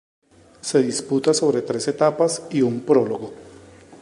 Se disputa sobre tres etapas y un prólogo.